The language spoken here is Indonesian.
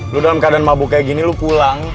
lo dalam keadaan mabuk kayak gini lo pulang